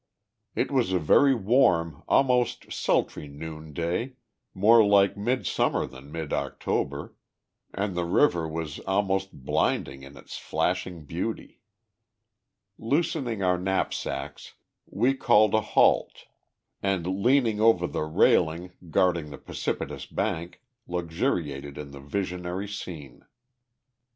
It was a very warm, almost sultry noonday, more like midsummer than mid October, and the river was almost blinding in its flashing beauty. Loosening our knapsacks, we called a halt and, leaning over the railing guarding the precipitous bank, luxuriated in the visionary scene.